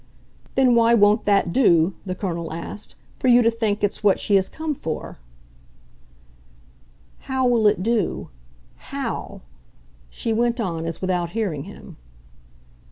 "Then why won't that do," the Colonel asked, "for you to think it's what she has come for?" "How will it do, HOW?" she went on as without hearing him.